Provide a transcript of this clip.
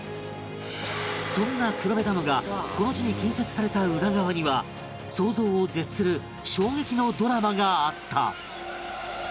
そんな黒部ダムがこの地に建設された裏側には想像を絶する衝撃のドラマがあった